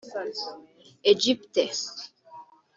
Egypte